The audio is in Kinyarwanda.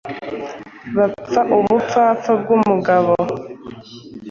bapfa ubupfapfa bw’umugabo.